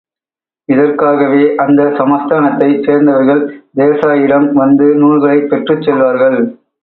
இதற்காகவே, அந்த சமஸ்தானத்தைச் சேர்ந்தவர்கள் தேசாயிடம் வந்து நூல்களைப் பெற்றுச் செல்வார்கள்.